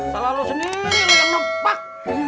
salah lo sendiri yang nempak